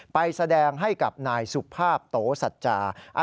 ไปแสดงให้กับนายสุภาพโตสัจจา